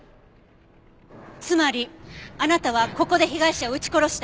つまりあなたはここで被害者を撃ち殺した。